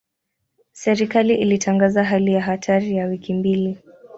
Serikali ilitangaza hali ya hatari ya wiki mbili.